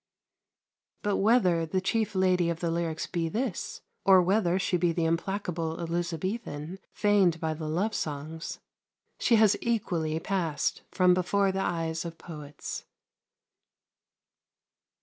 But whether the chief Lady of the lyrics be this, or whether she be the implacable Elizabethan feigned by the love songs, she has equally passed from before the eyes of poets.